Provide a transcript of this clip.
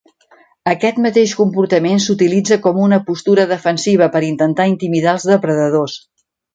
Aquest mateix comportament s'utilitza com una postura defensiva per intentar intimidar els depredadors.